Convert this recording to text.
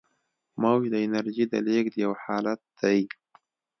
موج د انرژۍ د لیږد یو حالت دی.